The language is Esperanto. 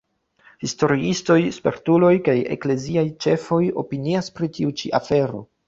Historiistoj, spertuloj kaj ekleziaj ĉefoj opinias pri tiu ĉi afero.